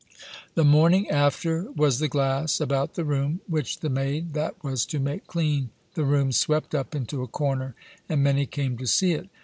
The morning after was the glass about the room, which the maid that was to make clean the rooms swept up into a corner, and many came to see it.